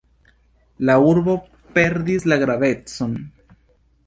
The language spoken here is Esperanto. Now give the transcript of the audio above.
La urbo perdis la gravecon.